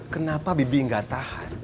kenapa bibi gak tahan